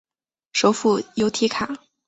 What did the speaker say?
首府由提卡。